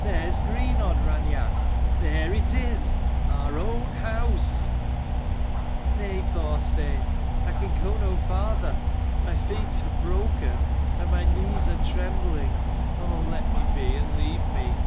There's Greenodd, Raineach : there it is ; our own house !" "Nay, Thorstein, I can go no farther. My feet are broken, and my knees are trembling. Oh let me be, and leave me."